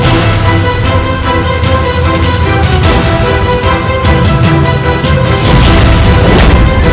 sekarang rai sudah berkumpul kembali di rumah dari pengembaraannya